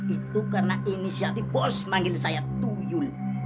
itu karena ini si artie bos manggil saya tuyul